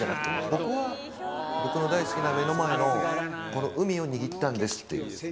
僕は、僕の大好きな目の前のこの海を握ったんですっていう。